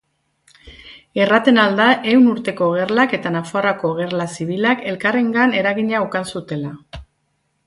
Erraten ahal da Ehun Urteko Gerlak eta Nafarroako gerla zibilak elkarrengan eragina ukan zutela.